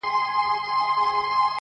• چي لغتي د ناکسو باندي اوري -